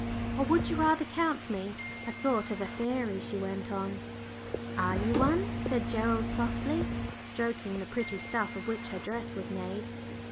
"Or would you rather count me a sort of a fairy?" she went on. "Are you one?" said Gerald, softly stroking the pretty soft stuff of which her dress was made.